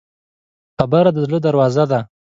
خبره د زړه دروازه ده.